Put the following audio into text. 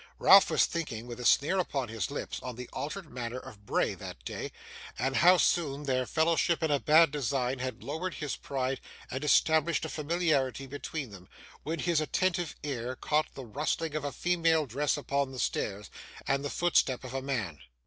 Ralph was thinking, with a sneer upon his lips, on the altered manner of Bray that day, and how soon their fellowship in a bad design had lowered his pride and established a familiarity between them, when his attentive ear caught the rustling of a female dress upon the stairs, and the footstep of a man.